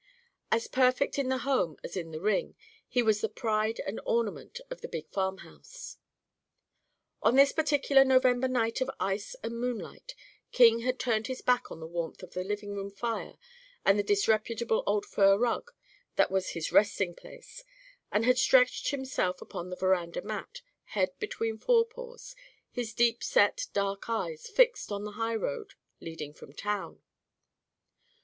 As perfect in the home as in the ring, he was the pride and ornament of the big farmhouse. On this particular November night of ice and moonlight, King had turned his back on the warmth of the living room fire and the disreputable old fur rug that was his resting place, and had stretched himself upon the veranda mat, head between forepaws; his deep set dark eyes fixed on the highroad leading from town.